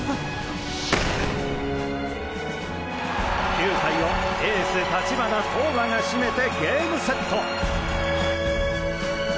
９回をエース立花投馬が締めてゲームセット！